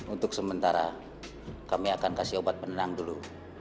untuk sementara kami akan kasih obat penenang dulu